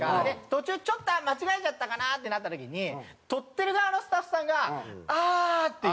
途中ちょっと間違えちゃったかなってなった時に撮ってる側のスタッフさんが「あ！！」って言うんですよ。